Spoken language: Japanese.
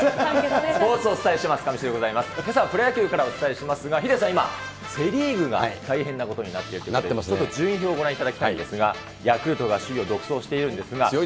けさはプロ野球からお伝えしますが、ヒデさん、今、セ・リーグが大変なことになってまして、ちょっと順位表ご覧いただきたいんですが、ヤクルト強いですね。